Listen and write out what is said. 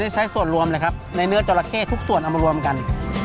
ใช้ส่วนรวมเลยครับในเนื้อจราเข้ทุกส่วนเอามารวมกัน